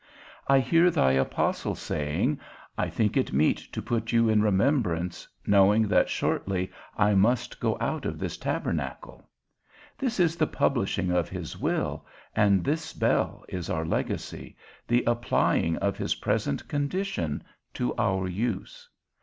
I hear thy apostle saying, I think it meet to put you in remembrance, knowing that shortly I must go out of this tabernacle: this is the publishing of his will, and this bell is our legacy, the applying of his present condition to our use.